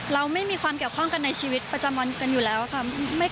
เราไม่มีความเกี่ยวข้องกันในชีวิตประจำวันกันอยู่แล้วค่ะ